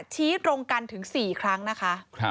ชี้ตรงกันถึง๔ครั้งนะคะ